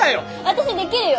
私できるよ。